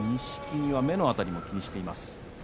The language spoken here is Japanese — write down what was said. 錦木、目の辺りも気にしています。